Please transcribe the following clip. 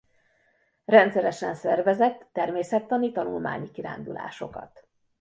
Rendszeresen szervezett természettani tanulmányi kirándulásokat.